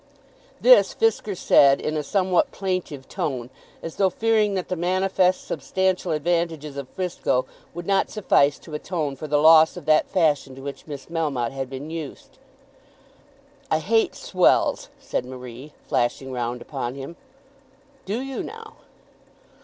This Fisker said in a somewhat plaintive tone, as though fearing that the manifest substantial advantages of Frisco would not suffice to atone for the loss of that fashion to which Miss Melmotte had been used. "I hate swells," said Marie, flashing round upon him. "Do you now?"